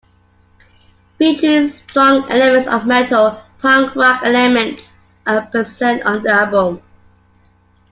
Featuring strong elements of metal, punk rock elements are present on the album.